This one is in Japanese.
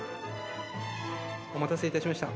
お待たせいたしました。